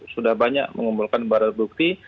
sudah banyak mengumpulkan barang bukti